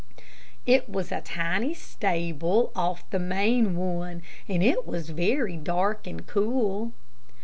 '" It was a tiny stable off the main one, and it was very dark and cool.